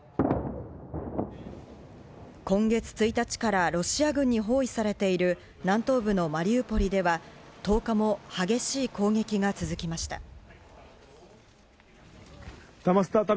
今月１日からロシア軍に包囲されている南東部のマリウポリでは１０日も激しい攻撃が続きました。